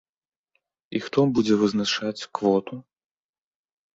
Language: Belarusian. І хто будзе вызначаць квоту?